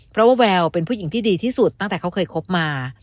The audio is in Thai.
เพราะว่าแววเป็นผู้หญิงที่ดีที่สุดตั้งแต่เขาเคยคบมา